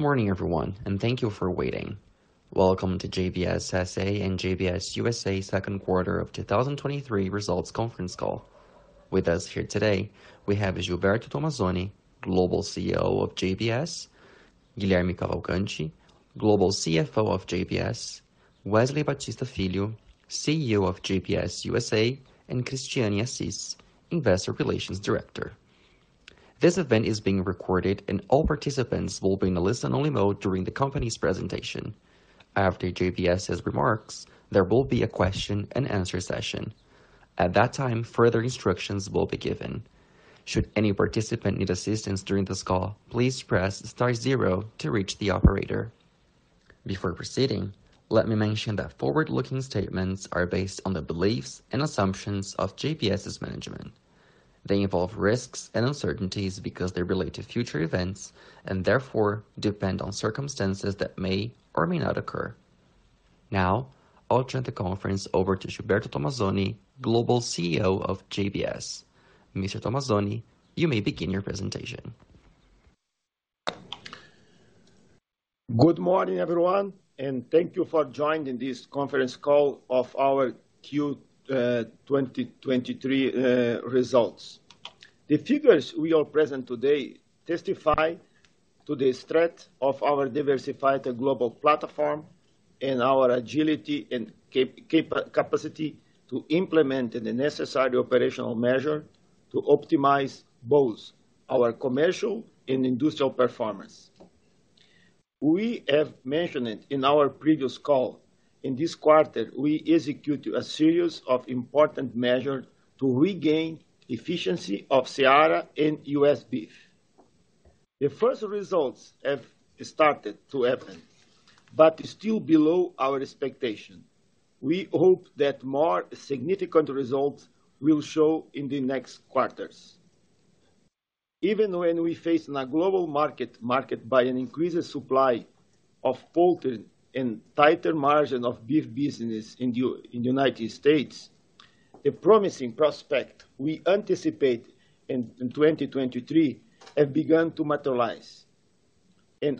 Good morning, everyone, and thank you for waiting. Welcome to JBS S.A. and JBS USA second quarter of 2023 results conference call. With us here today, we have Gilberto Tomazoni, Global CEO of JBS, Guilherme Cavalcanti, Global CFO of JBS, Wesley Batista Filho, CEO of JBS USA, and Christiane Assis, Investor Relations Director. This event is being recorded, and all participants will be in a listen-only mode during the company's presentation. After JBS's remarks, there will be a question and answer session. At that time, further instructions will be given. Should any participant need assistance during this call, please press star 0 to reach the operator. Before proceeding, let me mention that forward-looking statements are based on the beliefs and assumptions of JBS's management. They involve risks and uncertainties because they relate to future events, and therefore, depend on circumstances that may or may not occur. Now, I'll turn the conference over to Gilberto Tomazoni, Global CEO of JBS. Mr. Tomazoni, you may begin your presentation. Good morning, everyone, and thank you for joining this conference call of our Q 2023 results. The figures we are present today testify to the strength of our diversified global platform and our agility and capacity to implement the necessary operational measure to optimize both our commercial and industrial performance. We have mentioned it in our previous call, in this quarter, we executed a series of important measures to regain efficiency of Seara and U.S. Beef. The first results have started to happen, still below our expectation. We hope that more significant results will show in the next quarters. Even when we face in a global market, market by an increased supply of poultry and tighter margin of beef business in the United States, the promising prospect we anticipate in 2023 have begun to materialize.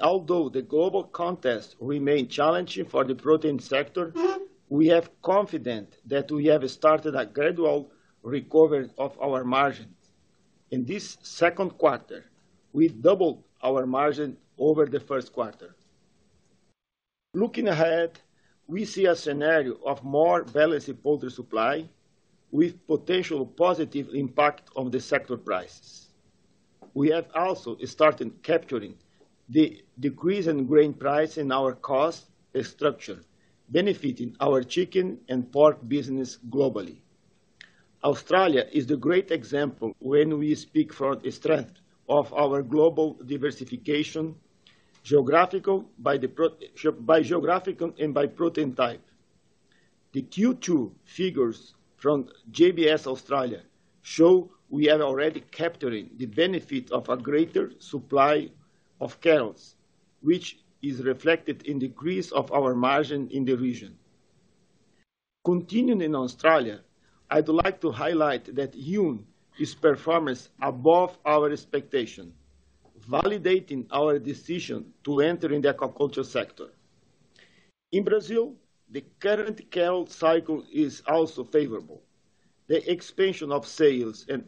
Although the global context remain challenging for the protein sector, we are confident that we have started a gradual recovery of our margin. In this 2nd quarter, we doubled our margin over the 1st quarter. Looking ahead, we see a scenario of more balanced poultry supply with potential positive impact on the sector prices. We have also started capturing the decrease in grain price in our cost structure, benefiting our chicken and pork business globally. Australia is a great example when we speak for the strength of our global diversification, geographical, by geographical and by protein type. The Q2 figures from JBS Australia show we are already capturing the benefit of a greater supply of cows, which is reflected in the increase of our margin in the region. Continuing in Australia, I'd like to highlight that Huon is performance above our expectation, validating our decision to enter in the aquaculture sector. In Brazil, the current cow cycle is also favorable. The expansion of sales and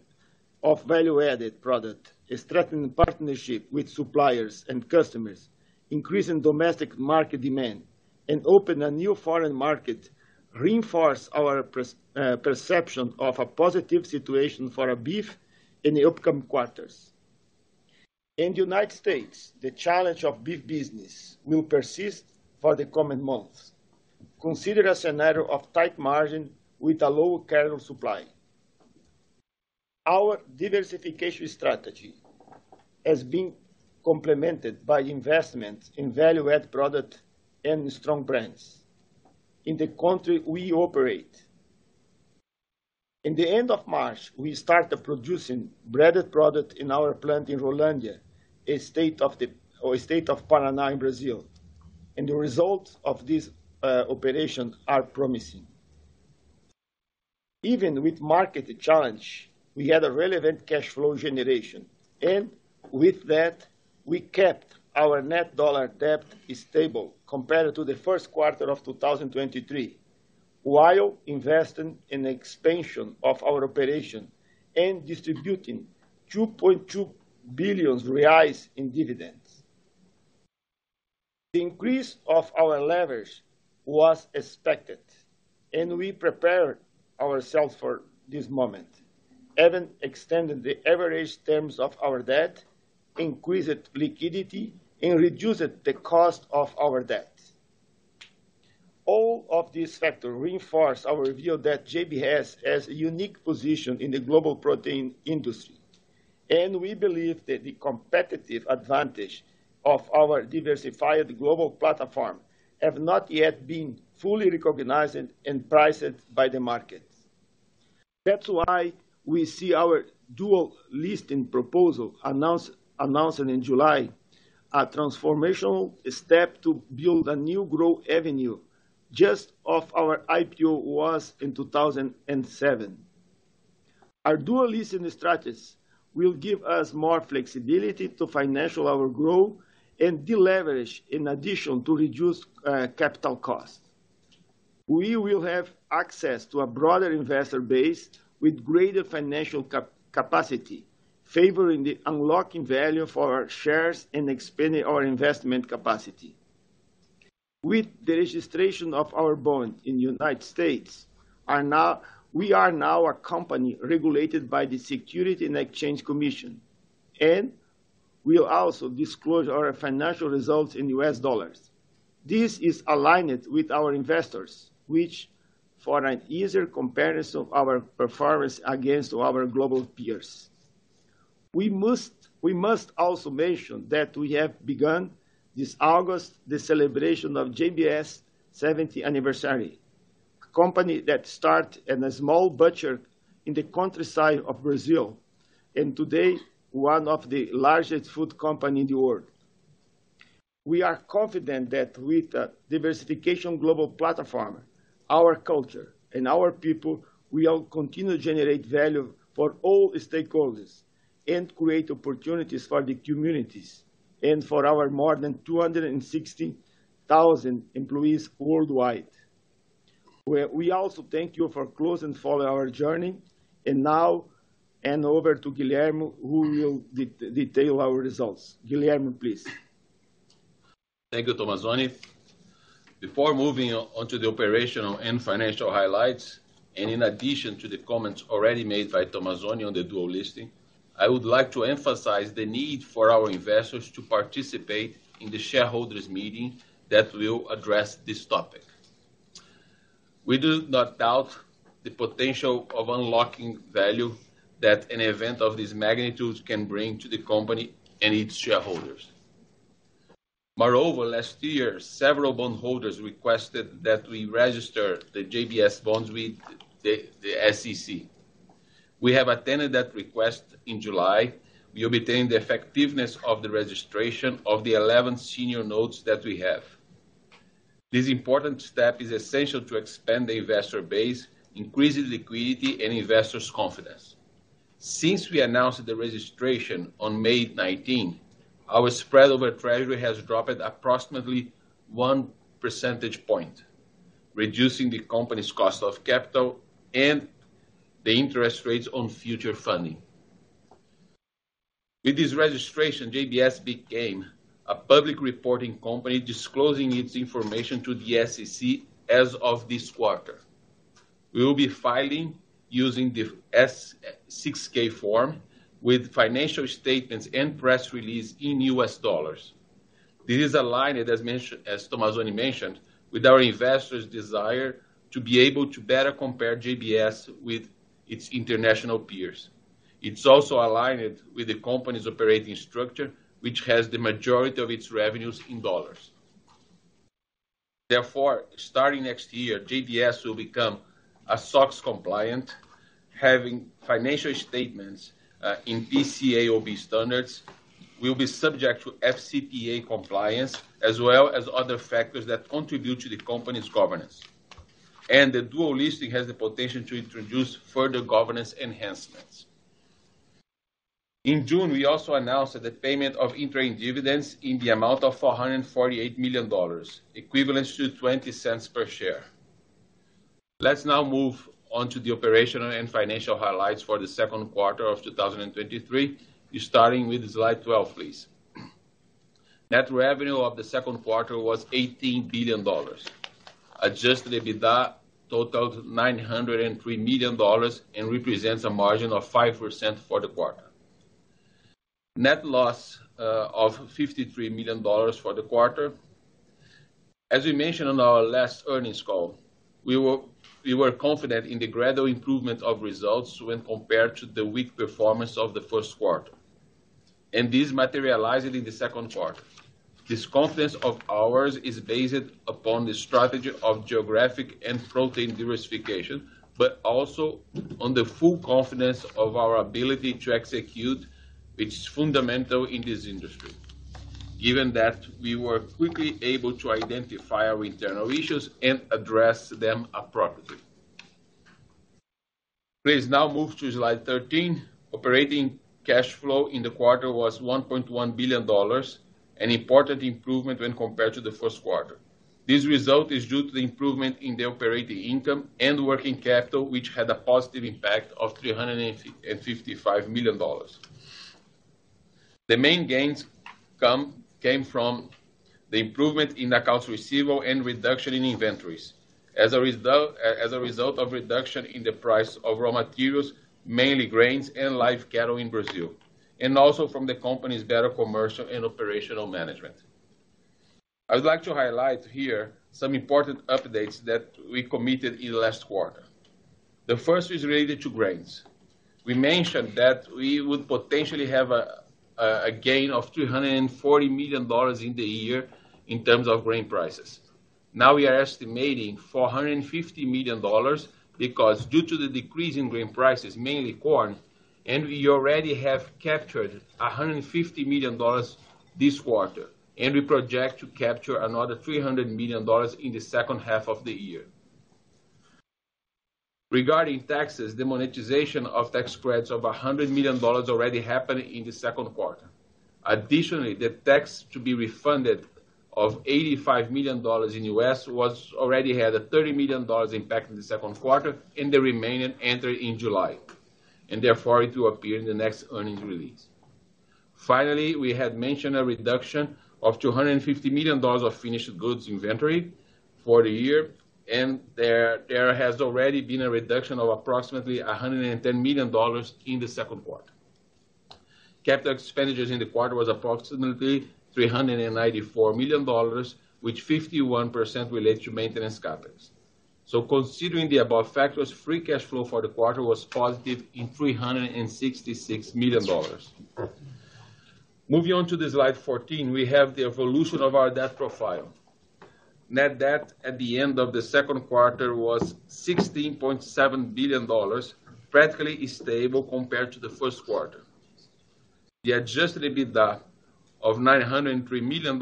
of value-added product is strengthening partnership with suppliers and customers, increasing domestic market demand, and open a new foreign market, reinforce our perception of a positive situation for our beef in the upcoming quarters. In the United States, the challenge of beef business will persist for the coming months. Consider a scenario of tight margin with a low cattle supply. Our diversification strategy has been complemented by investment in value-added product and strong brands. In the country, we operate. In the end of March, we started producing breaded product in our plant in Rolândia, a state of Paraná in Brazil. The results of this operation are promising. Even with market challenge, we had a relevant cash flow generation. With that, we kept our net dollar debt stable compared to the first quarter of 2023, while investing in expansion of our operation and distributing 2.2 billion reais in dividends. The increase of our leverage was expected. We prepared ourselves for this moment, even extending the average terms of our debt, increased liquidity, and reduced the cost of our debt. All of these factors reinforce our view that JBS has a unique position in the global protein industry, and we believe that the competitive advantage of our diversified global platform have not yet been fully recognized and priced by the market. That's why we see our dual listing proposal announced, announcing in July, a transformational step to build a new growth avenue just off our IPO was in 2007. Our dual listing strategies will give us more flexibility to financial our growth and deleverage, in addition to reduce capital costs. We will have access to a broader investor base with greater financial capacity, favoring the unlocking value for our shares and expanding our investment capacity. With the registration of our bond in the United States, we are now a company regulated by the Securities and Exchange Commission, and we will also disclose our financial results in U.S. dollars. This is aligned with our investors, which for an easier comparison of our performance against our global peers. We must, we must also mention that we have begun, this August, the celebration of JBS 70th anniversary, a company that start in a small butcher in the countryside of Brazil, and today, one of the largest food company in the world. We are confident that with a diversification global platform, our culture, and our people, we all continue to generate value for all stakeholders, and create opportunities for the communities, and for our more than 260,000 employees worldwide. We, we also thank you for closing follow our journey. Now, hand over to Guilherme, who will detail our results. Guilherme, please. Thank you, Tomazoni. Before moving on to the operational and financial highlights, and in addition to the comments already made by Tomazoni on the dual listing, I would like to emphasize the need for our investors to participate in the shareholders meeting that will address this topic. We do not doubt the potential of unlocking value that an event of this magnitude can bring to the company and its shareholders. Moreover, last year, several bondholders requested that we register the JBS bonds with the SEC. We have attended that request in July. We obtained the effectiveness of the registration of the 11 senior notes that we have. This important step is essential to expand the investor base, increase the liquidity, and investors' confidence. Since we announced the registration on May 19, our spread over Treasury has dropped approximately 1 percentage point, reducing the company's cost of capital and the interest rates on future funding. With this registration, JBS became a public reporting company, disclosing its information to the SEC as of this quarter. We will be filing using the 6-K form with financial statements and press release in U.S. dollars. This is aligned, as Tomazoni mentioned, with our investors' desire to be able to better compare JBS with its international peers. It's also aligned with the company's operating structure, which has the majority of its revenues in dollars. Starting next year, JBS will become a SOX compliant, having financial statements in PCAOB standards, will be subject to FCPA compliance, as well as other factors that contribute to the company's governance. The dual listing has the potential to introduce further governance enhancements. In June, we also announced the payment of interim dividends in the amount of $448 million, equivalent to $0.20 per share. Let's now move on to the operational and financial highlights for the second quarter of 2023, starting with slide 12, please. Net revenue of the second quarter was $18 billion. Adjusted EBITDA totaled $903 million, and represents a margin of 5% for the quarter. Net loss of $53 million for the quarter. As we mentioned on our last earnings call, we were confident in the gradual improvement of results when compared to the weak performance of the first quarter, and this materialized in the second quarter. This confidence of ours is based upon the strategy of geographic and protein diversification, also on the full confidence of our ability to execute, which is fundamental in this industry. Given that, we were quickly able to identify our internal issues and address them appropriately. Please now move to slide 13. Operating cash flow in the quarter was $1.1 billion, an important improvement when compared to the 1st quarter. This result is due to the improvement in the operating income and working capital, which had a positive impact of $355 million. The main gains came from the improvement in accounts receivable and reduction in inventories. As a result, as a result of reduction in the price of raw materials, mainly grains and live cattle in Brazil, and also from the company's better commercial and operational management. I would like to highlight here some important updates that we committed in the last quarter. The first is related to grains. We mentioned that we would potentially have a gain of $340 million in the year in terms of grain prices. Now, we are estimating $450 million, because due to the decrease in grain prices, mainly corn. We already have captured $150 million this quarter, and we project to capture another $300 million in the second half of the year. Regarding taxes, the monetization of tax credits of $100 million already happened in the second quarter. Additionally, the tax to be refunded of $85 million in the U.S. was already had a $30 million impact in the second quarter. The remaining entered in July, and therefore, it will appear in the next earnings release. Finally, we had mentioned a reduction of $250 million of finished goods inventory for the year. There, there has already been a reduction of approximately $110 million in the second quarter. Capital expenditures in the quarter was approximately $394 million, which 51% relates to maintenance CapEx. Considering the above factors, free cash flow for the quarter was positive in $366 million. Moving on to slide 14, we have the evolution of our debt profile. Net debt at the end of the second quarter was $16.7 billion, practically stable compared to the first quarter. The Adjusted EBITDA of $903 million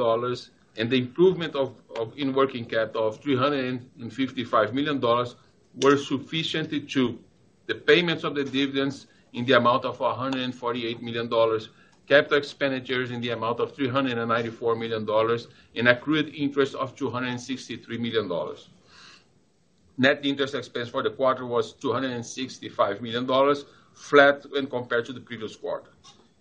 and the improvement of in working capital of $355 million were sufficient to the payments of the dividends in the amount of $148 million, CapEx in the amount of $394 million, and accrued interest of $263 million. Net interest expense for the quarter was $265 million, flat when compared to the previous quarter.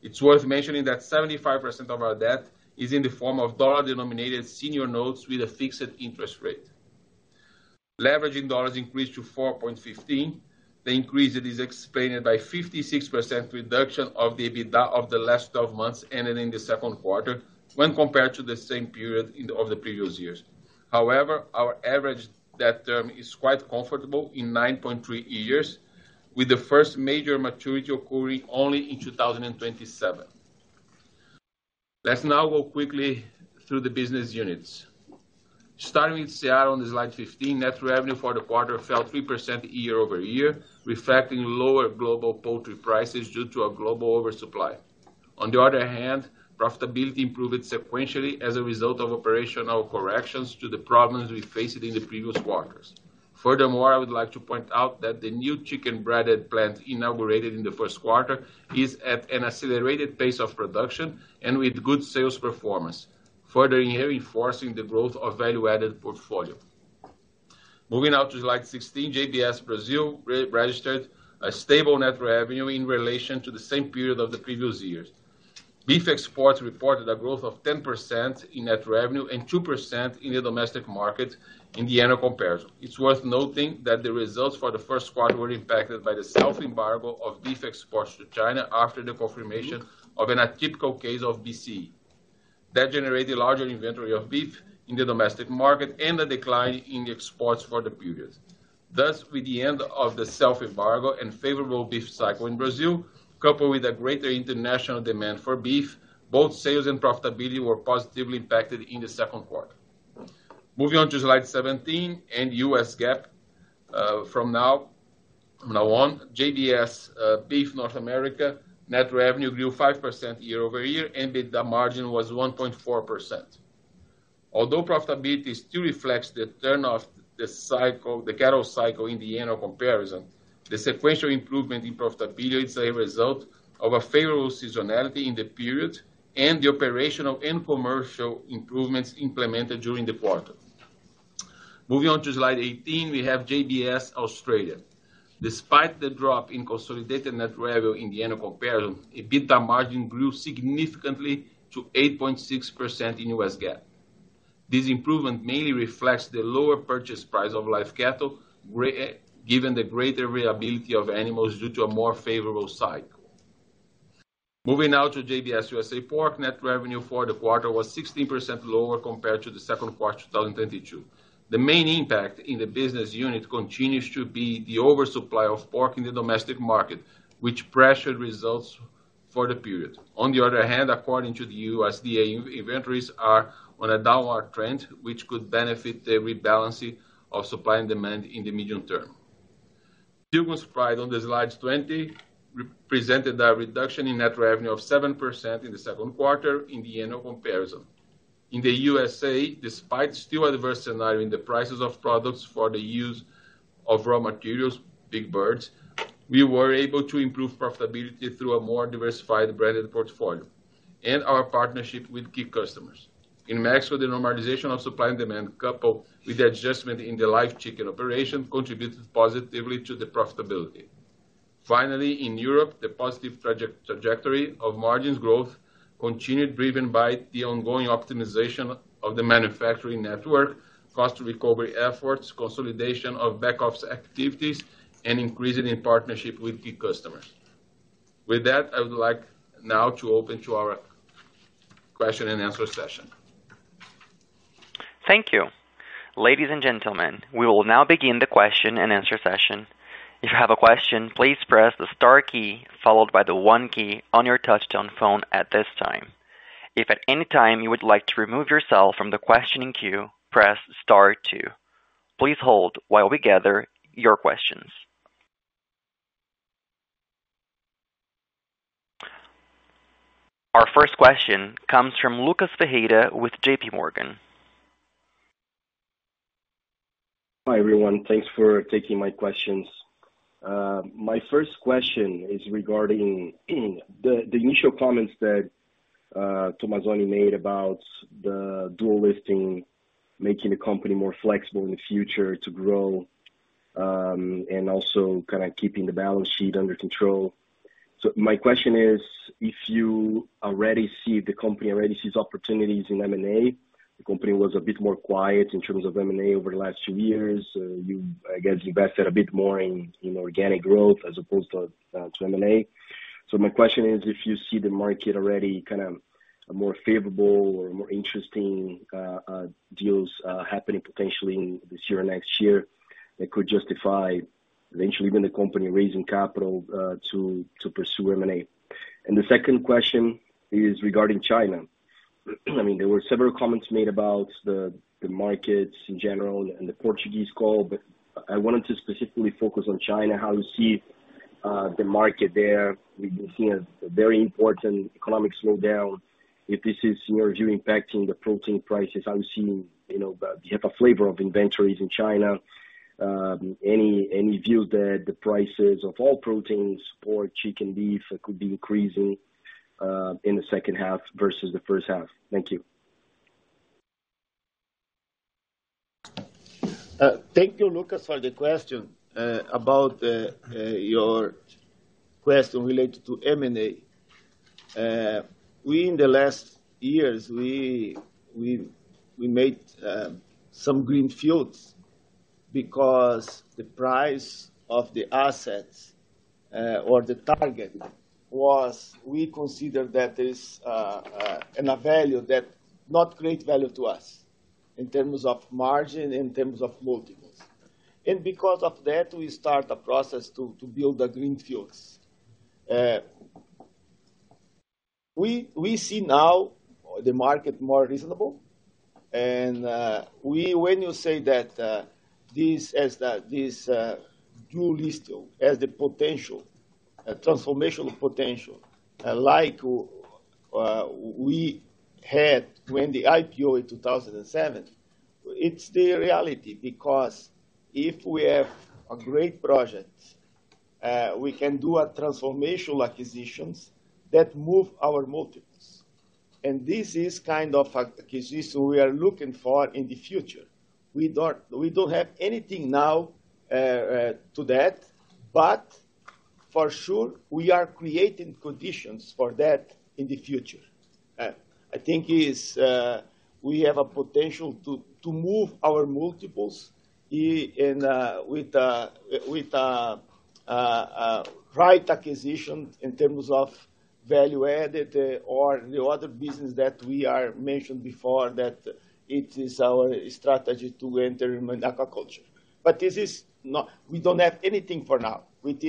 It's worth mentioning that 75% of our debt is in the form of dollar-denominated senior notes with a fixed interest rate. Leverage in dollars increased to 4.15. The increase is explained by 56% reduction of the EBITDA of the last twelve months, ending in the second quarter when compared to the same period in, of the previous years. Our average debt term is quite comfortable in 9.3 years, with the first major maturity occurring only in 2027. Let's now go quickly through the business units. Starting with Seara on the slide 15, net revenue for the quarter fell 3% year-over-year, reflecting lower global poultry prices due to a global oversupply. On the other hand, profitability improved sequentially as a result of operational corrections to the problems we faced in the previous quarters. Furthermore, I would like to point out that the new chicken breaded plant inaugurated in the first quarter is at an accelerated pace of production and with good sales performance, further enforcing the growth of value-added portfolio. Moving now to slide 16, JBS Brazil re- registered a stable net revenue in relation to the same period of the previous years. Beef exports reported a growth of 10% in net revenue and 2% in the domestic market in the annual comparison. It's worth noting that the results for the first quarter were impacted by the self-embargo of beef exports to China after the confirmation of an atypical case of BSE. That generated a larger inventory of beef in the domestic market and a decline in the exports for the period. Thus, with the end of the self-embargo and favorable beef cycle in Brazil, coupled with a greater international demand for beef, both sales and profitability were positively impacted in the second quarter. Moving on to slide 17 and US GAAP, from now, from now on, JBS Beef North America, net revenue grew 5% year-over-year, and the margin was 1.4%. Although profitability still reflects the turn of the cycle, the cattle cycle in the annual comparison, the sequential improvement in profitability is a result of a favorable seasonality in the period and the operational and commercial improvements implemented during the quarter. Moving on to slide 18, we have JBS Australia. Despite the drop in consolidated net revenue in the annual comparison, EBITDA margin grew significantly to 8.6% in US GAAP. This improvement mainly reflects the lower purchase price of live cattle, given the greater availability of animals due to a more favorable cycle. Moving now to JBS USA Pork. Net revenue for the quarter was 16% lower compared to the second quarter of 2022. The main impact in the business unit continues to be the oversupply of pork in the domestic market, which pressured results for the period. On the other hand, according to the USDA, inventories are on a downward trend, which could benefit the rebalancing of supply and demand in the medium term. Pilgrim's Pride, on the slide 20, represented a reduction in net revenue of 7% in the second quarter in the annual comparison. In the U.S.A., despite still adverse scenario in the prices of products for the use of raw materials, big birds, we were able to improve profitability through a more diversified branded portfolio and our partnership with key customers. In Mexico, the normalization of supply and demand, coupled with the adjustment in the live chicken operation, contributed positively to the profitability. Finally, in Europe, the positive trajectory of margins growth continued, driven by the ongoing optimization of the manufacturing network, cost recovery efforts, consolidation of back-office activities, and increasing in partnership with key customers. With that, I would like now to open to our question and answer session. Thank you. Ladies and gentlemen, we will now begin the question and answer session. If you have a question, please press the star key, followed by the one key on your touchtone phone at this time. If at any time you would like to remove yourself from the questioning queue, press star two. Please hold while we gather your questions. Our first question comes from Lucas Ferreira with JPMorgan. Hi, everyone. Thanks for taking my questions. My first question is regarding the initial comments that Tomazoni made about the dual listing, making the company more flexible in the future to grow, and also kind of keeping the balance sheet under control. My question is, if you already see the company, already sees opportunities in M&A, the company was a bit more quiet in terms of M&A over the last two years. I guess, invested a bit more in organic growth as opposed to M&A. My question is, if you see the market already kind of more favorable or more interesting deals happening potentially this year or next year, that could justify eventually even the company raising capital to pursue M&A? The second question is regarding China. I mean, there were several comments made about the markets in general and the Portuguese call, but I wanted to specifically focus on China, how you see the market there. We've been seeing a very important economic slowdown. If this is, in your view, impacting the protein prices, I'm seeing, you know, the type of flavor of inventories in China. Any, any view that the prices of all proteins, pork, chicken, beef, could be decreasing in the second half versus the first half? Thank you. Thank you, Lucas, for the question. About your question related to M&A. We in the last years, we, we, we made some greenfields, because the price of the assets, or the target was we consider that is in a value that not great value to us in terms of margin, in terms of multiples. Because of that, we start a process to, to build the greenfields. We, we see now the market more reasonable, and we-- when you say that this as the, this dual listing, has the potential, a transformational potential, like we had when the IPO in 2007, it's the reality, because if we have a great project, we can do a transformational acquisitions that move our multiples. This is kind of acquisitions we are looking for in the future. We don't, we don't have anything now, to that, for sure, we are creating conditions for that in the future. I think is, we have a potential to, to move our multiples in, with, with, a right acquisition in terms of value-added or the other business that we are mentioned before, that it is our strategy to enter in aquaculture. This is not. We don't have anything for now. With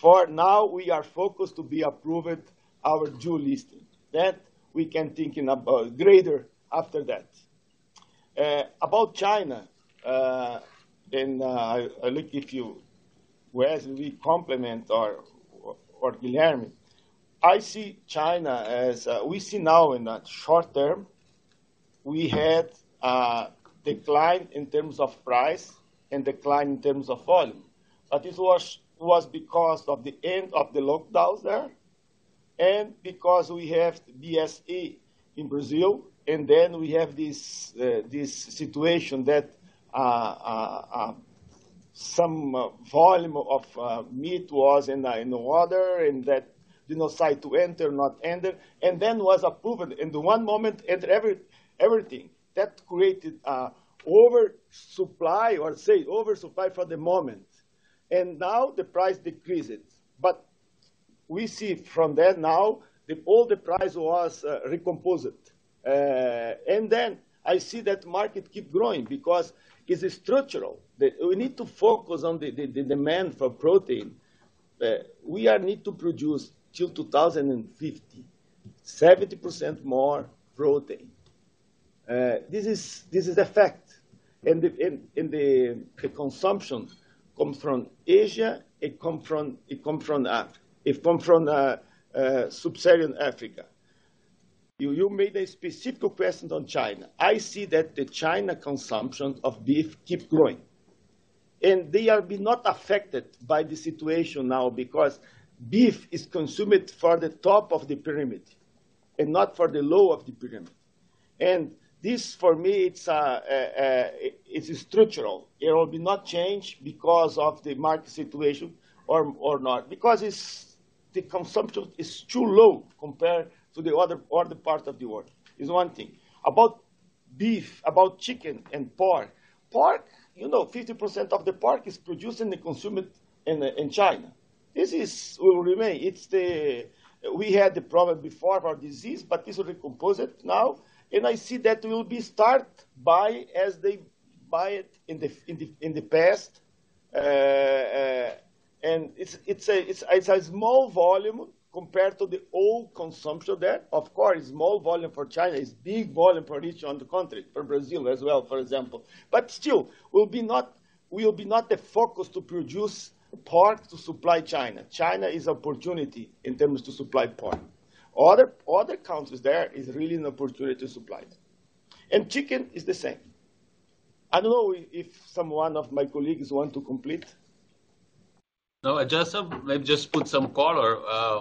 this, for now, we are focused to be approved our dual listing, that we can think about greater after that. About China, and, I'll let if you, whereas we compliment our, or Guilherme. I see China as... We see now in the short term, we had decline in terms of price and decline in terms of volume. This was, was because of the end of the lockdown there, and because we have BSE in Brazil, and then we have this situation that some volume of meat was in the water, and that, you know, decide to enter, not enter, and then was approved in the 1 moment, and everything. That created a oversupply, or say, oversupply for the moment. Now the price decreases. We see from that now, the all the price was recomposed. I see that market keep growing because it's structural. We need to focus on the demand for protein. We are need to produce till 2050, 70% more protein. This is, this is a fact, and the, and, and the, the consumption comes from Asia, it come from Sub-Saharan Africa. You made a specific question on China. I see that the China consumption of beef keep growing. They are be not affected by the situation now because beef is consumed for the top of the pyramid and not for the low of the pyramid. This, for me, it's structural. It will be not change because of the market situation or not, because the consumption is too low compared to the other parts of the world, is one thing. About beef, about chicken and pork. Pork, you know, 50% of the pork is produced and consumed in China. This is, will remain. It's the... We had the problem before of our disease, this will recompose it now. I see that we'll be start buying as they buy it in the, in the, in the past... it's, it's a, it's a, it's a small volume compared to the old consumption there. Of course, small volume for China is big volume for each other country, for Brazil as well, for example. Still, will be not, will be not the focus to produce pork to supply China. China is opportunity in terms to supply pork. Other, other countries there is really an opportunity to supply. Chicken is the same. I don't know if, if someone of my colleagues want to complete? No, I just, I just put some color.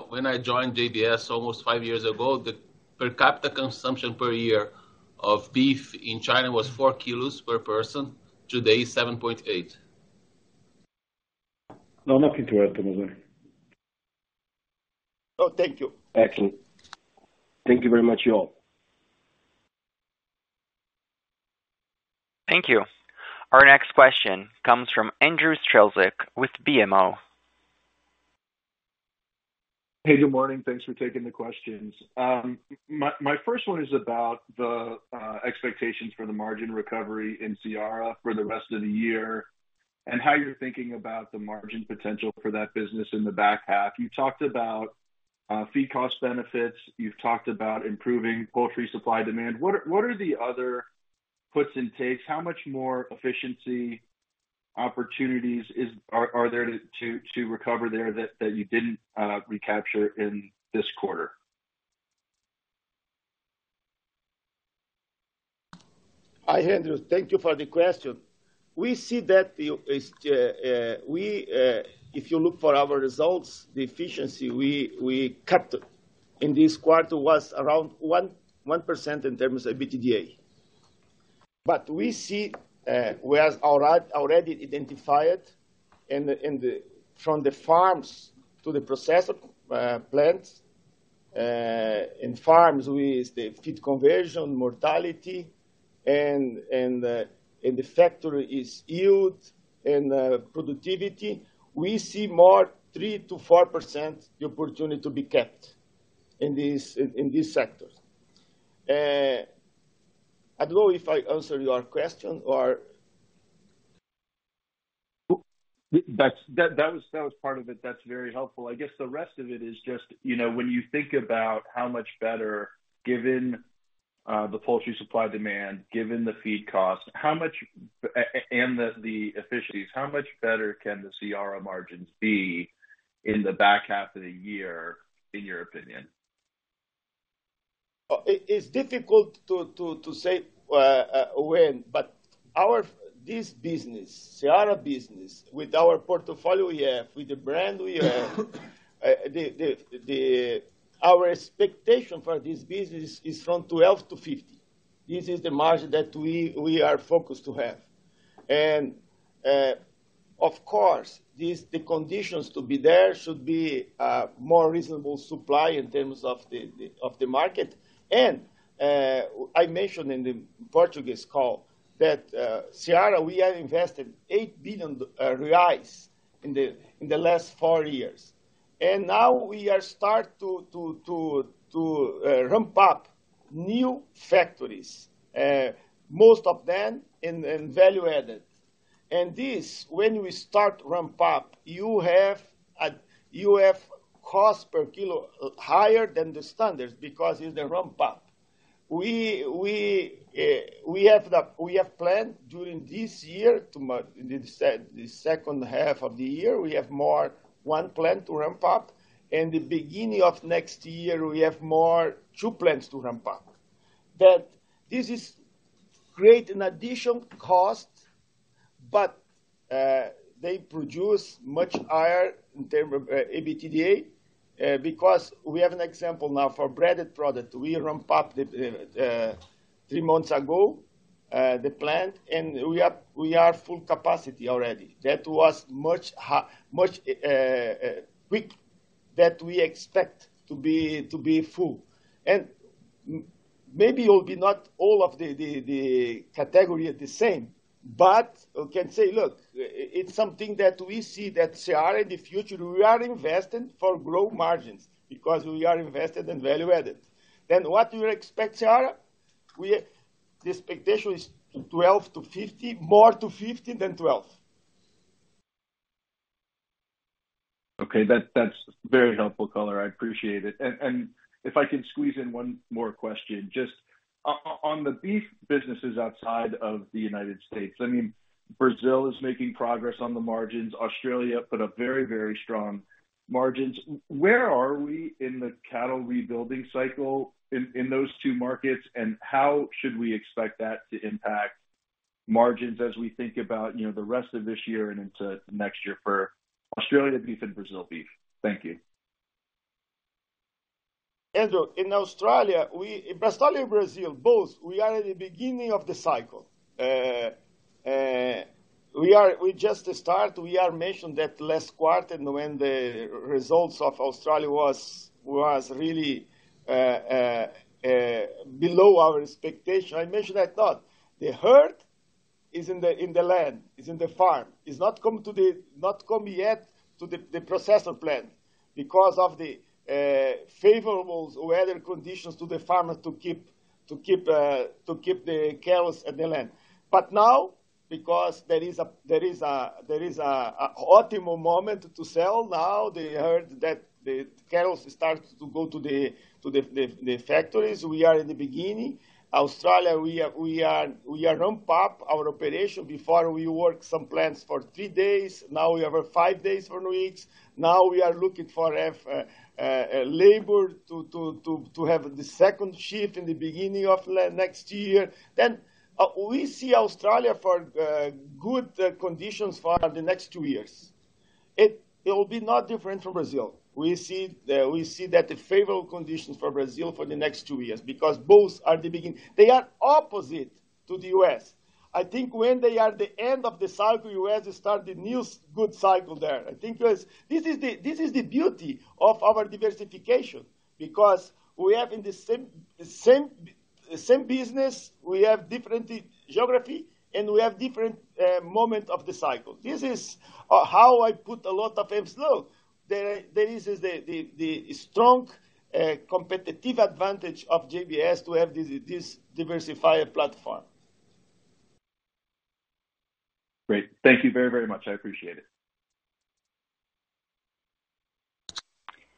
When I joined JBS almost five years ago, the per capita consumption per year of beef in China was four kilos per person. Today, it's 7.8. No, nothing to add to there. Oh, thank you. Thank you. Thank you very much, you all. Thank you. Our next question comes from Andrew Strelzik with BMO. Hey, good morning. Thanks for taking the questions. My, my first one is about the expectations for the margin recovery in Seara for the rest of the year, and how you're thinking about the margin potential for that business in the back half. You talked about feed cost benefits, you've talked about improving poultry supply demand. What are, what are the other puts and takes? How much more efficiency opportunities is-- are, are there to, to, to recover there that, that you didn't recapture in this quarter? Hi, Andrew. Thank you for the question. We see that the... We, if you look for our results, the efficiency we kept in this quarter was around 1.1% in terms of EBITDA. We see, we have already identified in the from the farms to the processor plants. In farms, we use the feed conversion, mortality, and in the factory, is yield and productivity. We see more 3%-4% the opportunity to be kept in these, in these sectors. I don't know if I answered your question or. That's, that, that was, that was part of it. That's very helpful. I guess the rest of it is just, you know, when you think about how much better, given the poultry supply demand, given the feed costs, how much... And the, the efficiencies, how much better can the Seara margins be in the back half of the year, in your opinion? It, it's difficult to say when, but our-- this business, Seara business, with our portfolio we have, with the brand we have, Our expectation for this business is from 12%-15%. This is the margin that we are focused to have. Of course, these, the conditions to be there should be more reasonable supply in terms of the market. I mentioned in the Portuguese call that Seara, we have invested 8 billion reais in the last four years. Now we are start to ramp up new factories, most of them in value-added. This, when we start ramp up, you have cost per kilo, higher than the standards, because it's the ramp up. We, we, we have planned during this year, to in the second half of the year, we have more one plant to ramp up, and the beginning of next year, we have more two plants to ramp up. This is create an additional cost, but they produce much higher in terms of EBITDA, because we have an example now for breaded product. We ramp up the three months ago, the plant, and we are, we are full capacity already. That was much much quick that we expect to be, to be full. Maybe it will be not all of the category are the same, but we can say, look, it's something that we see that Seara, in the future, we are investing for grow margins because we are invested in value-added. What we expect, Seara, we, the expectation is 12%-15%, more to 15% than 12%. Okay. That, that's very helpful color. I appreciate it. If I can squeeze in one more question. Just on the beef businesses outside of the United States, I mean, Brazil is making progress on the margins. Australia put up very, very strong margins. Where are we in the cattle rebuilding cycle in those two markets, and how should we expect that to impact margins as we think about, you know, the rest of this year and into next year for Australia beef and Brazil beef? Thank you. Andrew, in Australia, we Australia and Brazil, both, we are in the beginning of the cycle. We just start, we are mentioned that last quarter when the results of Australia was, was really below our expectation. I mentioned that thought. The herd is in the, in the land, is in the farm, is not come yet to the, the processor plant because of the favorable weather conditions to the farmers to keep, to keep, to keep the cows at the land. Now, because there is a, there is a, there is a, a optimal moment to sell, now they heard that the cows start to go to the, to the, the, the factories. We are in the beginning. Australia, we are, we are, we are ramp up our operation. Before we work some plants for three days, now we have a five days per weeks. Now we are looking for labor to, to, to, to have the second shift in the beginning of next year. We see Australia for good conditions for the next two years. It, it will be not different from Brazil. We see the, we see that the favorable conditions for Brazil for the next two years, because both are the beginning. They are opposite to the U.S. I think when they are the end of the cycle, U.S. start the new good cycle there. I think this, this is the, this is the beauty of our diversification, because we have in the same, same, same business, we have different geography, and we have different moment of the cycle. This is how I put a lot of emphasis. Look, there, there is the, the, the strong competitive advantage of JBS to have this, this diversified platform. Great. Thank you very, very much. I appreciate it.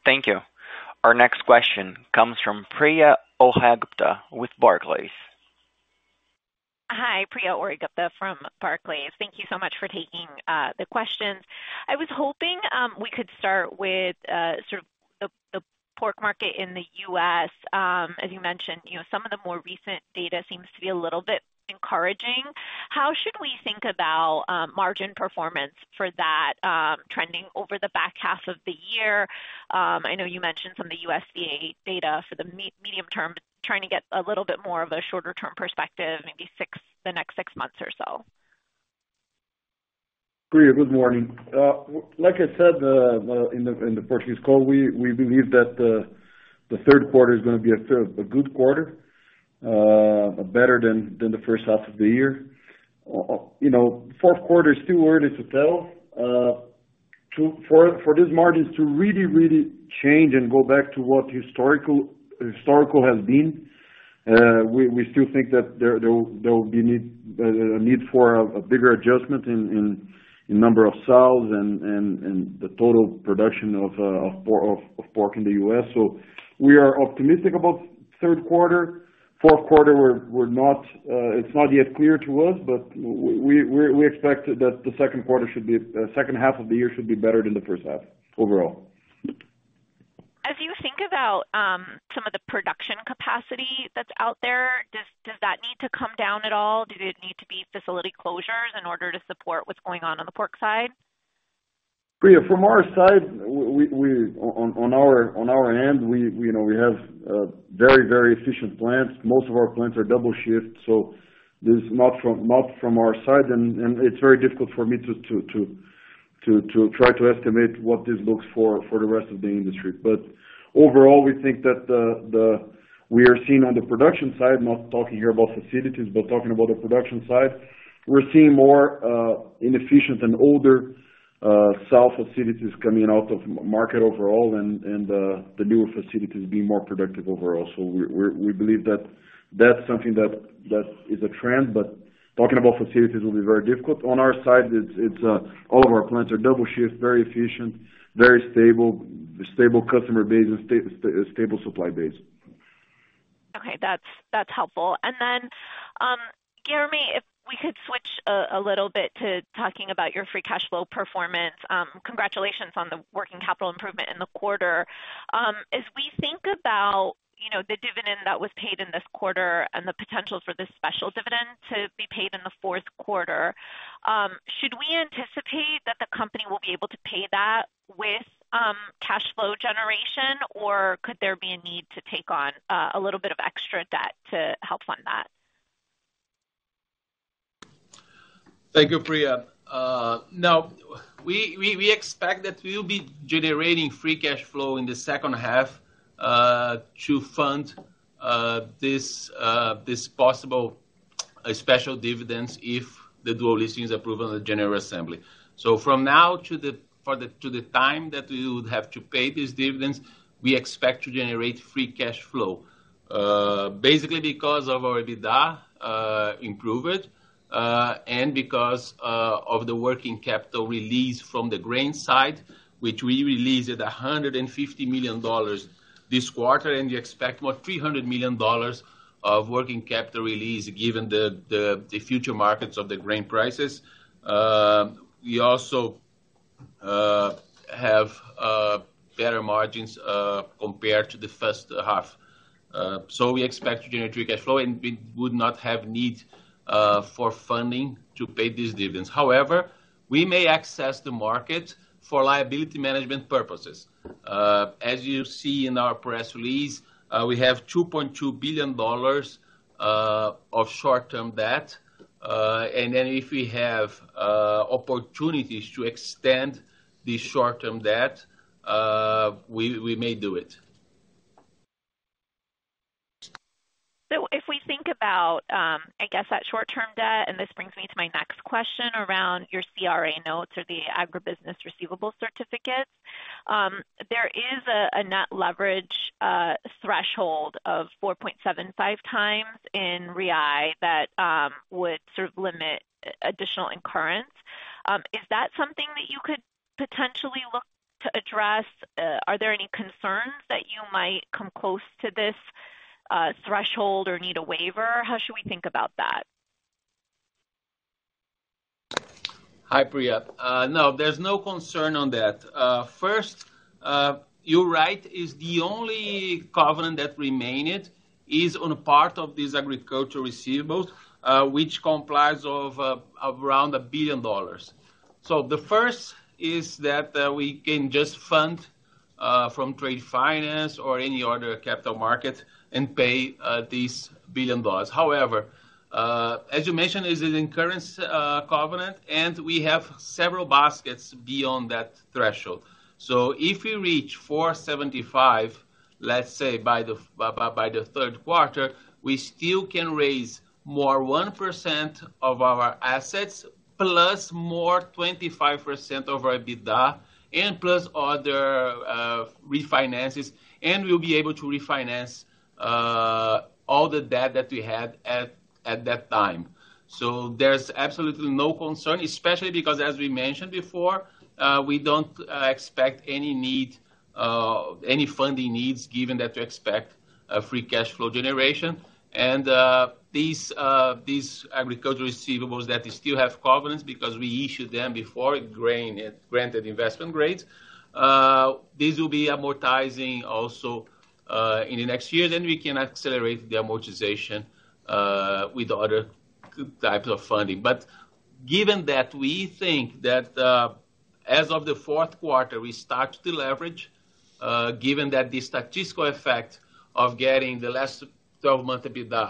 Thank you. Our next question comes from Priya Ohri-Gupta with Barclays. Hi, Priya Ohri-Gupta from Barclays. Thank you so much for taking the questions. I was hoping we could start with sort of the, the pork market in the U.S. As you mentioned, you know, some of the more recent data seems to be a little bit encouraging. How should we think about margin performance for that trending over the back half of the year? I know you mentioned some of the USDA data for the medium term, trying to get a little bit more of a shorter-term perspective, maybe six, the next six months or so. Priya, good morning. Like I said, in the Portuguese call, we believe that the third quarter is going to be a good quarter, but better than the first half of the year. You know, fourth quarter is too early to tell. For these margins to really, really change and go back to what historical, historical has been, we still think that there will be need a need for a bigger adjustment in number of sales and the total production of pork in the U.S. We are optimistic about third quarter. Fourth quarter, we're, we're not, it's not yet clear to us, but we expect that the second quarter should be, second half of the year should be better than the first half overall. As you think about some of the production capacity that's out there, does, does that need to come down at all? Do it need to be facility closures in order to support what's going on on the pork side? Priya, from our side, we on our, on our end, we know we have very, very efficient plants. Most of our plants are double shift. This is not from, not from our side. It's very difficult for me to try to estimate what this looks for, for the rest of the industry. Overall, we think that. We are seeing on the production side, not talking here about facilities, but talking about the production side, we're seeing more inefficient and older south facilities coming out of market overall and the newer facilities being more productive overall. We, we're, we believe that that's something that, that is a trend, but talking about facilities will be very difficult. On our side, it's, it's, all of our plants are double shift, very efficient, very stable, stable customer base, and stable supply base. Okay, that's, that's helpful. Jeremy, if we could switch a little bit to talking about your free cash flow performance. Congratulations on the working capital improvement in the quarter. As we think about, you know, the dividend that was paid in this quarter and the potential for this special dividend to be paid in the fourth quarter, should we anticipate that the company will be able to pay that with cash flow generation, or could there be a need to take on a little bit of extra debt to help fund that? Thank you, Priya. Now, we, we, we expect that we'll be generating free cash flow in the second half to fund this this possible, a special dividends if the dual listing is approved on the general assembly. From now to the, for the, to the time that we would have to pay this dividends, we expect to generate free cash flow, basically because of our EBITDA improved and because of the working capital release from the grain side, which we released at $150 million this quarter, and we expect about $300 million of working capital release, given the, the, the future markets of the grain prices. We also have better margins compared to the first half. We expect to generate free cash flow, and we would not have need for funding to pay these dividends. However, we may access the market for liability management purposes. As you see in our press release, we have $2.2 billion of short-term debt. If we have opportunities to extend the short-term debt, we may do it. If we think about, I guess that short-term debt, and this brings me to my next question around your CRA notes or the agribusiness receivables certificates, there is a net leverage threshold of 4.75x in reais that would sort of limit additional incurrence. Is that something that you could potentially look to address? Are there any concerns that you might come close to this threshold or need a waiver? How should we think about that? Hi, Priya. No, there's no concern on that. First, you're right, is the only covenant that remained is on a part of these agricultural receivables, which complies of around $1 billion. The first is that we can just fund from trade finance or any other capital market and pay these $1 billion. However, as you mentioned, it's an incurrence covenant, and we have several baskets beyond that threshold. If we reach 475, let's say by the third quarter, we still can raise more 1% of our assets, plus more 25% of our EBITDA, and plus other refinances, and we'll be able to refinance all the debt that we had at that time. There's absolutely no concern, especially because as we mentioned before, we don't expect any need, any funding needs, given that we expect a free cash flow generation. These, these agriculture receivables that we still have covenants because we issued them before it grain, granted investment grade. This will be amortizing also, in the next year, then we can accelerate the amortization with other types of funding. Given that we think that, as of the fourth quarter, we start to leverage, given that the statistical effect of getting the last 12-month EBITDA,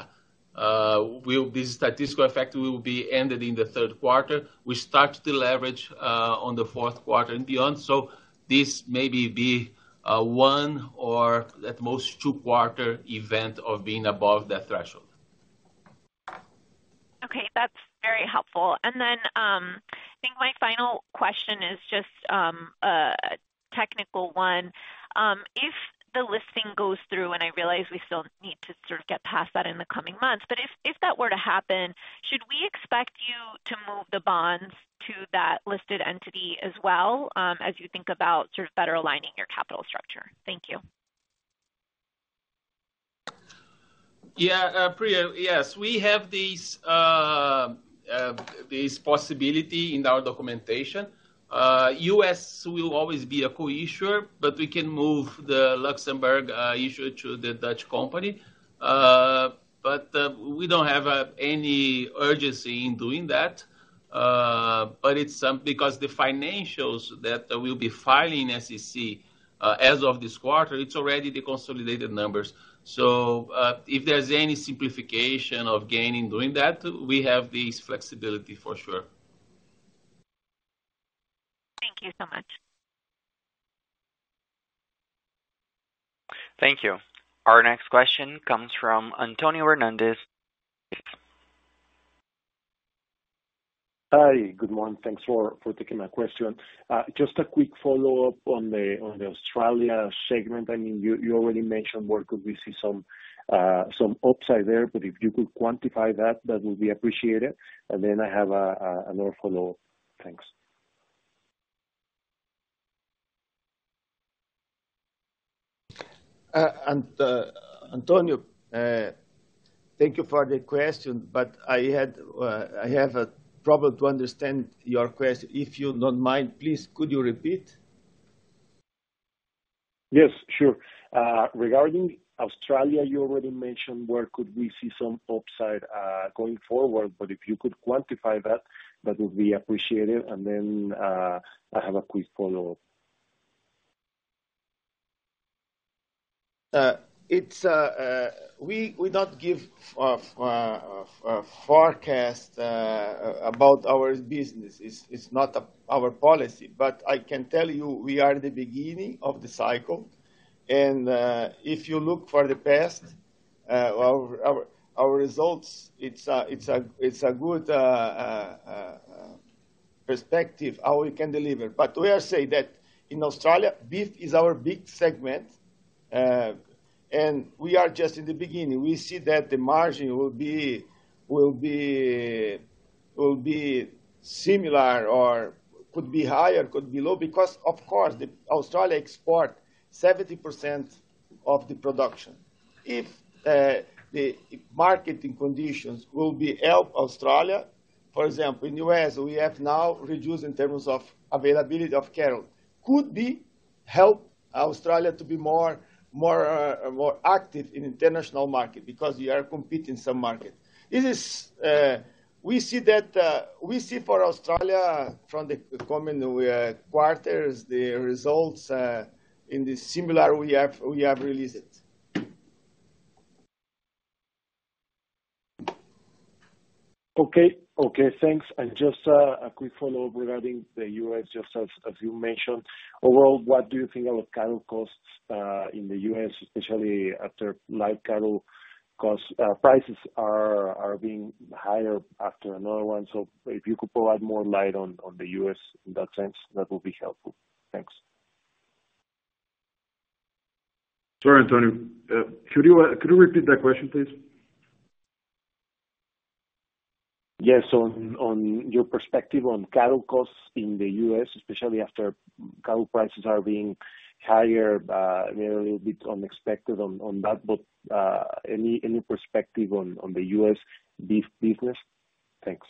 statistical effect will be ended in the third quarter. We start to leverage on the fourth quarter and beyond, so this may be a 1 or at most 2-quarter event of being above that threshold. Okay, that's very helpful. Then, I think my final question is just a technical one. If the listing goes through, and I realize we still need to sort of get past that in the coming months, but if that were to happen, should we expect you to move the bonds to that listed entity as well, as you think about sort of better aligning your capital structure? Thank you. Yeah, Priya, yes, we have this, this possibility in our documentation. U.S. will always be a co-issuer, but we can move the Luxembourg, issuer to the Dutch company. We don't have any urgency in doing that, but it's. Because the financials that we'll be filing in SEC, as of this quarter, it's already the consolidated numbers. If there's any simplification of gaining doing that, we have this flexibility for sure. Thank you so much. Thank you. Our next question comes from Antonio Hernandez. Hi, good morning. Thanks for, for taking my question. Just a quick follow-up on the, on the Australia segment. I mean, you, you already mentioned where could we see some, some upside there, but if you could quantify that, that would be appreciated. Then I have another follow-up. Thanks. Antonio, thank you for the question, but I had, I have a problem to understand your question. If you don't mind, please, could you repeat? Yes, sure. Regarding Australia, you already mentioned where could we see some upside, going forward, if you could quantify that, that would be appreciated. Then, I have a quick follow-up. We not give a forecast about our business. It's not our policy. I can tell you we are the beginning of the cycle, if you look for the past, our results, it's a good perspective, how we can deliver. We are saying that in Australia, beef is our big segment, and we are just in the beginning. We see that the margin will be, will be, will be similar or could be higher, could be low, because, of course, the Australia export 70% of the production. If the marketing conditions will be help Australia, for example, in U.S., we have now reduced in terms of availability of cattle, could be help Australia to be more, more, more active in international market because we are competing some market. It is, we see that, we see for Australia from the coming quarters, the results in the similar we have, we have released it. Okay. Okay, thanks. Just, a quick follow-up regarding the U.S., just as, as you mentioned, overall, what do you think are the cattle costs, in the U.S., especially after live cattle costs, prices are, are being higher after another one? If you could provide more light on, on the U.S. in that sense, that will be helpful. Thanks. Sorry, Antonio, could you, could you repeat that question, please? Yes. On, on your perspective on cattle costs in the U.S., especially after cattle prices are being higher, they're a little bit unexpected on, on that, but any, any perspective on, on the U.S. beef business? Thanks.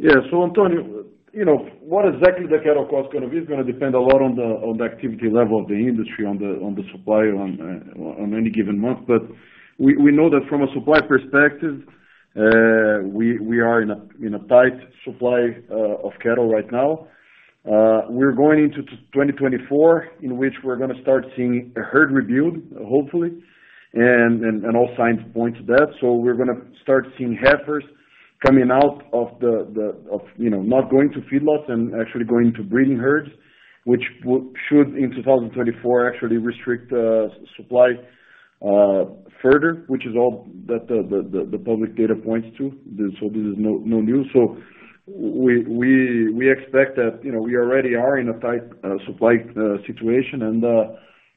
Antonio, you know, what exactly the cattle cost going to be, is going to depend a lot on the, on the activity level of the industry, on the, on the supply, on any given month. We, we know that from a supply perspective, we, we are in a, in a tight supply of cattle right now. We're going into 2024, in which we're going to start seeing a herd rebuild, hopefully, and, and, and all signs point to that. We're going to start seeing heifers coming out of the, the, of, you know, not going to feedlots and actually going to breeding herds, which should, in 2024, actually restrict supply further, which is all that the, the, the, the public data points to. This is no, no news. We, we, we expect that, you know, we already are in a tight supply situation, and,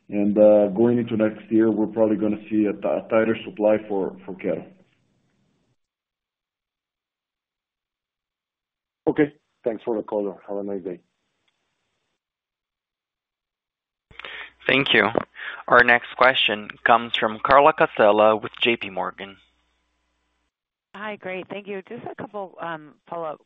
and going into next year, we're probably going to see a tighter supply for, for cattle. Okay, thanks for the call. Have a nice day. Thank you. Our next question comes from Carla Casella with J.P. Morgan. Hi, great. Thank you. Just a couple, follow-up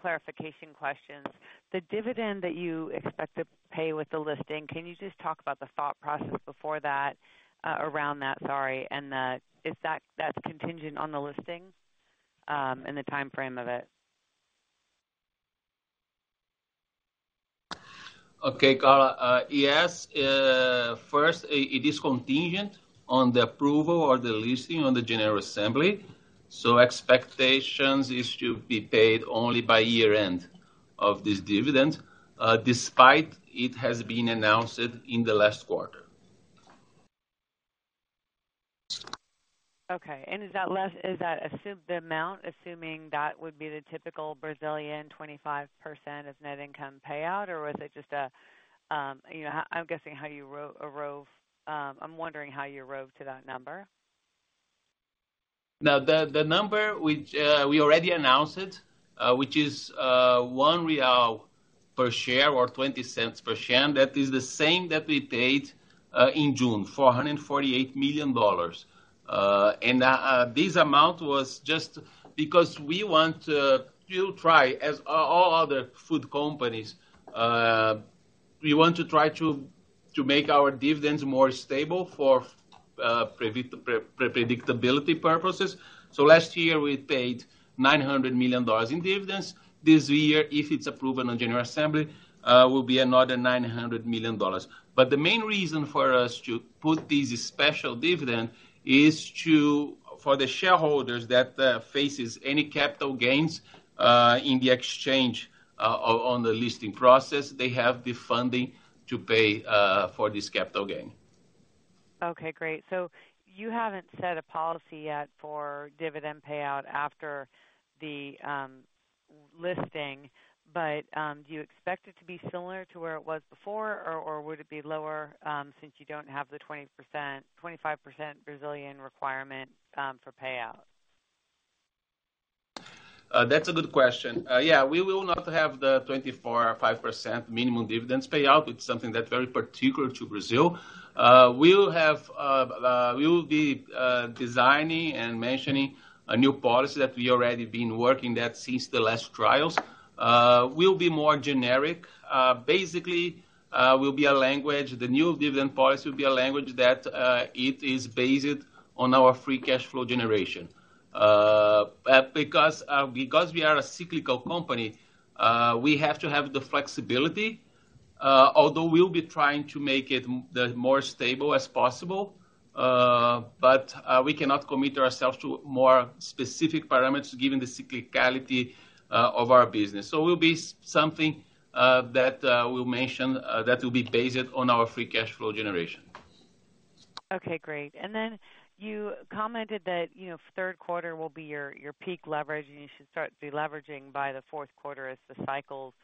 clarification questions. The dividend that you expect to pay with the listing, can you just talk about the thought process before that, around that, sorry, and the... Is that, that's contingent on the listing, and the timeframe of it? Okay, Carla, yes. First, it, it is contingent on the approval or the listing on the general assembly. Expectations is to be paid only by year-end of this dividend, despite it has been announced in the last quarter. Okay, is that assume the amount, assuming that would be the typical Brazilian 25% of net income payout, or was it just a, you know, I'm guessing how you rove, I'm wondering how you rove to that number? The number which we already announced it, which is 1 real per share or $0.20 per share, that is the same that we paid in June, $448 million. This amount was just because we want to still try, as all other food companies, we want to try to make our dividends more stable for predictability purposes. Last year, we paid $900 million in dividends. This year, if it's approved on the general assembly, will be another $900 million. The main reason for us to put this special dividend is to, for the shareholders that faces any capital gains in the exchange on the listing process, they have the funding to pay for this capital gain. Great. So you haven't set a policy yet for dividend payout after the listing, but do you expect it to be similar to where it was before, or would it be lower, since you don't have the 20%, 25% Brazilian requirement for payout? That's a good question. Yeah, we will not have the 24% or 5% minimum dividends payout. It's something that's very particular to Brazil. We'll have, we will be designing and mentioning a new policy that we already been working that since the last trials. Will be more generic. Basically, will be a language. The new dividend policy will be a language that it is based on our free cash flow generation. Because, because we are a cyclical company, we have to have the flexibility, although we'll be trying to make it the more stable as possible, but we cannot commit ourselves to more specific parameters given the cyclicality of our business. Will be something that we'll mention that will be based on our free cash flow generation. Okay, great. Then you commented that, you know, third quarter will be your, your peak leverage, and you should start deleveraging by the fourth quarter as the cycles,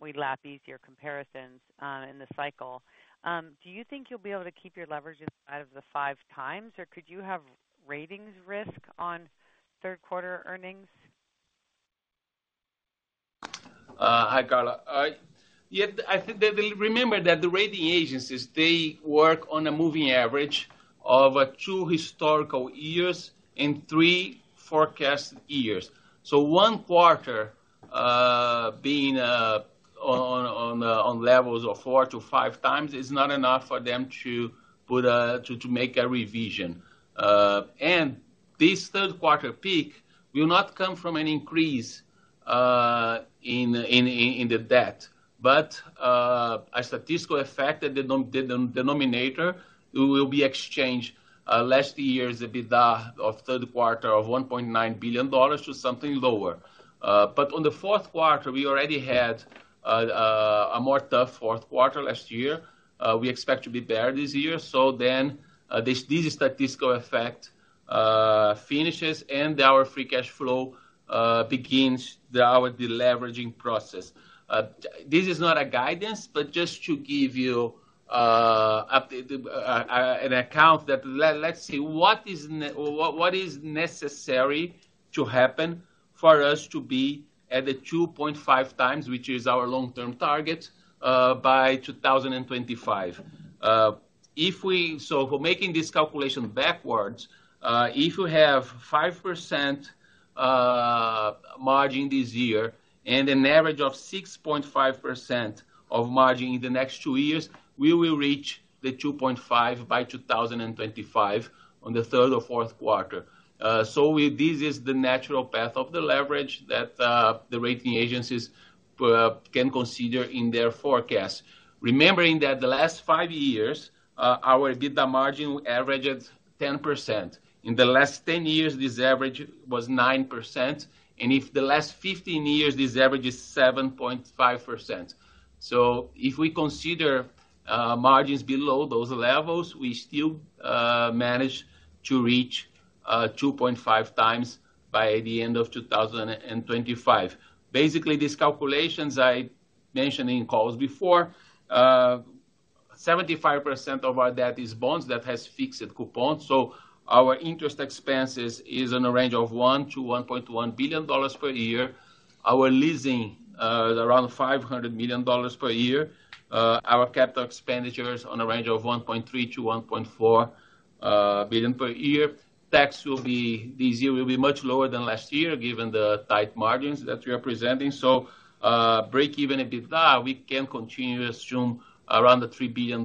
we lap easier comparisons in the cycle. Do you think you'll be able to keep your leverage inside of the 5x, or could you have ratings risk on third quarter earnings? Hi, Carla. Yeah, I think that. Remember that the rating agencies, they work on a moving average of 2 historical years and 3 forecast years. 1 quarter, being on levels of 4x-5x, is not enough for them to make a revision. And this third quarter peak will not come from an increase in the debt. A statistical effect that the denominator will be exchanged, last year's EBITDA of third quarter of $1.9 billion to something lower. On the fourth quarter, we already had a more tough fourth quarter last year. We expect to be better this year. This, this statistical effect finishes, and our free cash flow begins the our deleveraging process. This is not a guidance, but just to give you up the an account that let, let's see what, what is necessary to happen for us to be at the 2.5x, which is our long-term target by 2025. If we so for making this calculation backwards, if you have 5% margin this year and an average of 6.5% of margin in the next 2 years, we will reach the 2.5 by 2025 on the third or fourth quarter. We this is the natural path of the leverage that the rating agencies can consider in their forecast. Remembering that the last 5 years, our EBITDA margin averaged 10%. In the last 10 years, this average was 9%, and if the last 15 years, this average is 7.5%. If we consider margins below those levels, we still manage to reach 2.5x by the end of 2025. Basically, these calculations I mentioned in calls before, 75% of our debt is bonds that has fixed coupons, so our interest expenses is in a range of $1 billion-$1.1 billion per year. Our leasing, around $500 million per year. Our capital expenditures on a range of $1.3 billion-$1.4 billion per year. Tax will be, this year, will be much lower than last year, given the tight margins that we are presenting. Break-even EBITDA, we can continue to assume around the $3 billion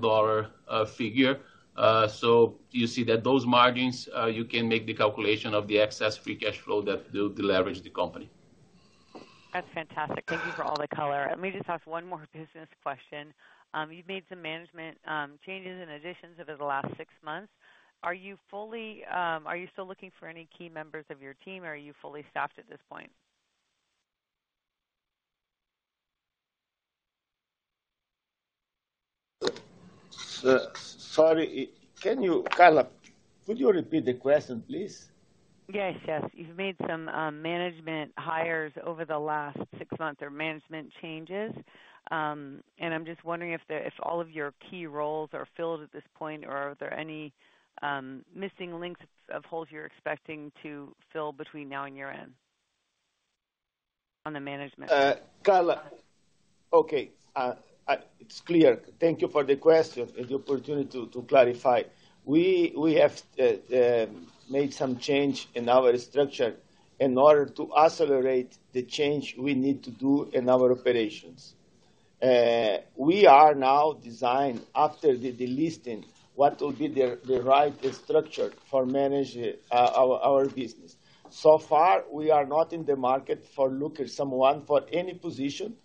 figure. You see that those margins, you can make the calculation of the excess free cash flow that will deleverage the company. That's fantastic. Thank you for all the color. Let me just ask one more business question. You've made some management changes and additions over the last six months. Are you fully,... Are you still looking for any key members of your team, or are you fully staffed at this point? Sorry, Carla, could you repeat the question, please? Yes, yes. You've made some, management hires over the last six months or management changes, and I'm just wondering if the, if all of your key roles are filled at this point, or are there any, missing links of holes you're expecting to fill between now and year-end on the management? Carla. Okay, it's clear. Thank you for the question and the opportunity to, to clarify. We have made some change in our structure in order to accelerate the change we need to do in our operations. We are now designed, after the delisting, what will be the right structure for manage our business. So far, we are not in the market for look at someone for any position,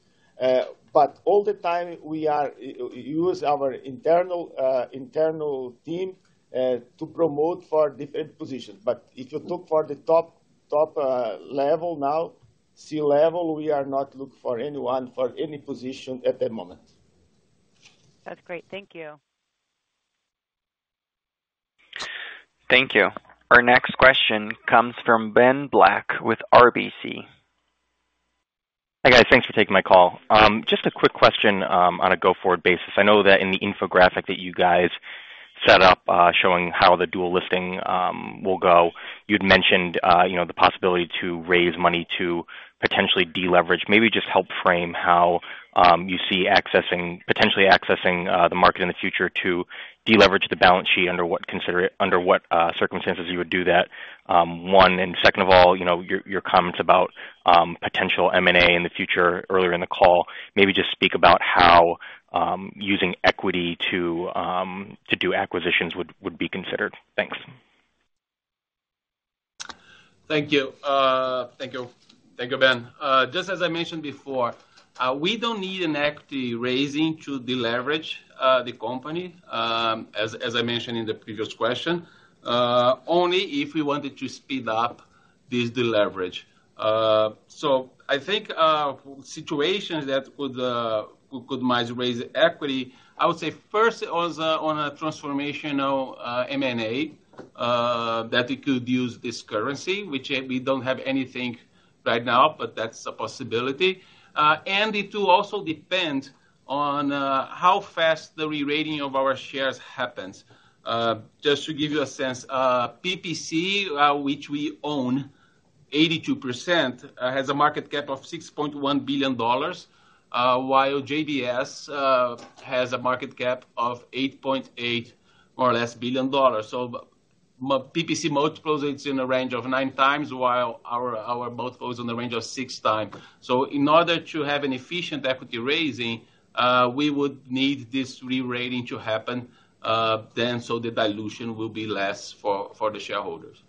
but all the time, we are use our internal internal team to promote for different positions. If you look for the top, top level now, C-level, we are not looking for anyone for any position at the moment. That's great. Thank you. Thank you. Our next question comes from Ben Black with RBC. Hi, guys. Thanks for taking my call. Just a quick question on a go-forward basis. I know that in the infographic that you guys set up, showing how the dual listing will go, you'd mentioned, you know, the possibility to raise money to potentially deleverage. Maybe just help frame how you see accessing, potentially accessing the market in the future to deleverage the balance sheet, under what consider, under what circumstances you would do that, one? Second of all, you know, your, your comments about potential M&A in the future earlier in the call, maybe just speak about how using equity to do acquisitions would, would be considered? Thanks. Thank you. Thank you. Thank you, Ben. Just as I mentioned before, we don't need an equity raising to deleverage the company, as, as I mentioned in the previous question, only if we wanted to speed up this deleverage. I think, situations that could, could, might raise equity, I would say first was on a transformational M&A, that it could use this currency, which we don't have anything right now, but that's a possibility. It will also depend on how fast the rerating of our shares happens. Just to give you a sense, PPC, which we own 82%, has a market cap of $6.1 billion, while JBS has a market cap of $8.8 billion, more or less. PPC multiples, it's in a range of 9x, while our multiples in the range of 6x. In order to have an efficient equity raising, we would need this rerating to happen, then, so the dilution will be less for the shareholders.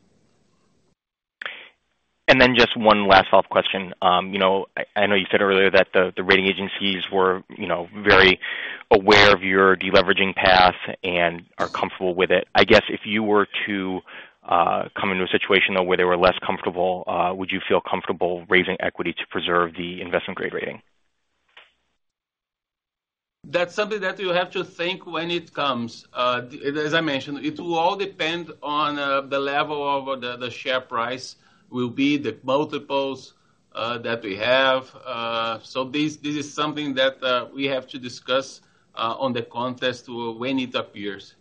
Then just one last follow-up question. you know, I, I know you said earlier that the rating agencies were, you know, very aware of your deleveraging path and are comfortable with it. I guess if you were to come into a situation though, where they were less comfortable, would you feel comfortable raising equity to preserve the investment grade rating? That's something that you have to think when it comes. As I mentioned, it will all depend on the level of the, the share price, will be the multiples that we have. This, this is something that we have to discuss on the context when it appears.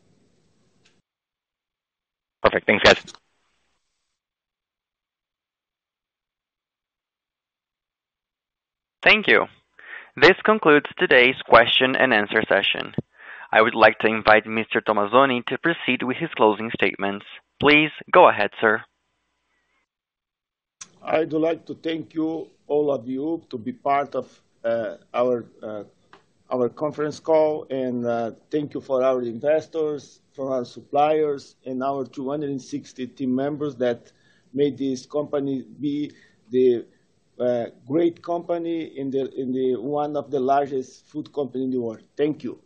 Perfect. Thanks, guys. Thank you. This concludes today's question and answer session. I would like to invite Mr. Tomazoni to proceed with his closing statements. Please go ahead, sir. I'd like to thank you, all of you, to be part of, our, our conference call, and, thank you for our investors, for our suppliers, and our 260 team members that made this company be the, great company and one of the largest food company in the world. Thank you.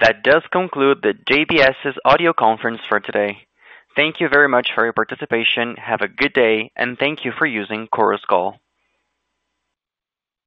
That does conclude the JBS's audio conference for today. Thank you very much for your participation. Have a good day, and thank you for using Chorus Call.